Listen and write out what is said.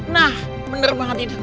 nah bener banget ini